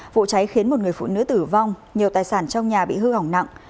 vụ cháy khiến một người phụ nữ tử vong nhiều tài sản trong nhà bị hư hỏng nặng